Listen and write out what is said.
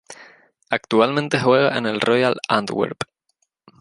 Actualmente juega en el Royal Antwerp.